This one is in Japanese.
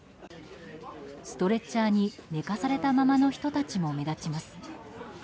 ストレッチャーに寝かされたままの人たちも目立ちます。